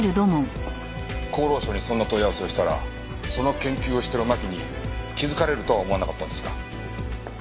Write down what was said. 厚労省にそんな問い合わせをしたらその研究をしてる真木に気づかれるとは思わなかったんですか？